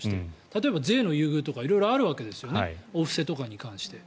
例えば税の優遇とか色々あるわけですよねお布施とかに関して。